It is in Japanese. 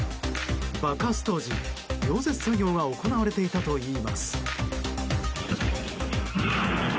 爆発当時、溶接作業が行われていたといいます。